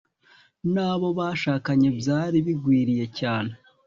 n'abo bashakanye byari bigwiriye cyane